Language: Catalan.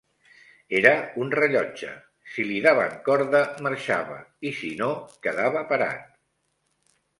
Era un rellotge, si li daven corda marxava, i si no quedava parat.